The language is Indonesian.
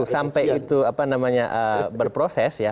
sampai itu apa namanya berproses ya